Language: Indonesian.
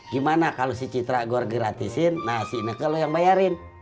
gimana kalau si citra gue gratisin si ini ke lo yang bayarin